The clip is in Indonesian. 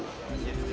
perumda pasar jaya